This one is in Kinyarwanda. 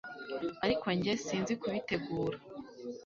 Ariko njye- Sinzi kubitegura.